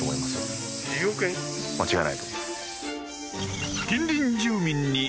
間違いないと。